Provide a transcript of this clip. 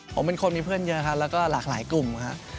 ผมเป็นคนมีเพื่อนเยอะครับแล้วก็หลากหลายกลุ่มครับ